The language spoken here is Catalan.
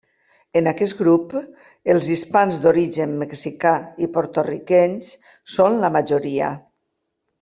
En aquest grup, els hispans d'origen mexicà i porto-riquenys són la majoria.